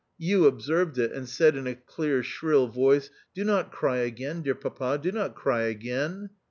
You observed it, and said in a clear shrill voice, "Do not cry again, dear papa, do not cry again."